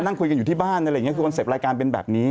นั่งคุยกันอยู่ที่บ้านอะไรอย่างนี้คือคอนเซ็ตรายการเป็นแบบนี้